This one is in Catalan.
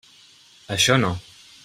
Això no.